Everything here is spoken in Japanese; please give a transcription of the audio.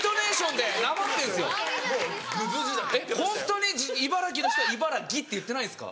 ホントに茨城の人は「いばらぎ」って言ってないんですか？